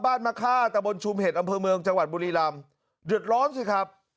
บ้านมราคาธบนชุมเห็ดอำเภอเมิงจังหวัดบุรีลำเดือดร้อนสิครับ